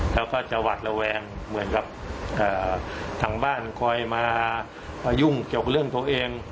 แล้วก็จะหวัดระแวงเหมือนกับทางบ้านคอยมายุ่งเกี่ยวกับเรื่องตัวเอง